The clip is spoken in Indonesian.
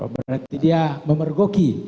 berarti dia memerkoki